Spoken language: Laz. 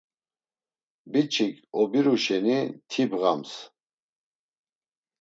Biç̌ik obiru şeni ti bğams.